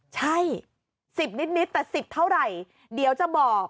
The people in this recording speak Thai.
ใช่๑๐นิดแต่๑๐เท่าไหร่เดี๋ยวจะบอก